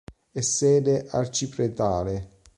È sede arcipretale.